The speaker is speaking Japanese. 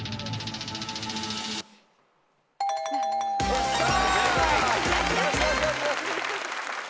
よっしゃ！